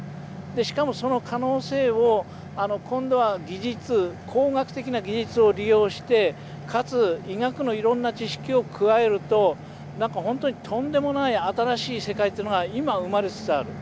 しかもその可能性を今度は工学的な技術を利用してかつ医学のいろんな知識を加えるととんでもない新しい世界が今生まれつつある。